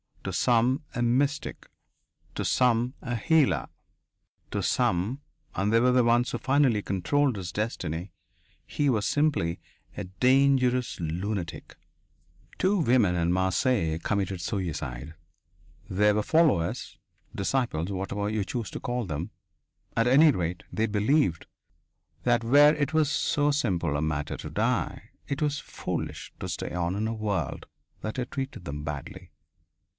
To some, a mystic. To some, a healer. To some and they were the ones who finally controlled his destiny he was simply a dangerous lunatic. Two women in Marseilles committed suicide they were followers, disciples, whatever you choose to call them. At any rate, they believed that where it was so simple a matter to die, it was foolish to stay on in a world that had treated them badly.